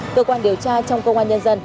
cơ quan điều tra trong công an nhân dân